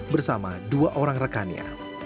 bersama dua orang rekannya